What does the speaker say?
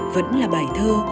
vẫn là bài thơ